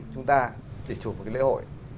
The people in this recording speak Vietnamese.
chúng ta chỉ chụp một cái lễ hội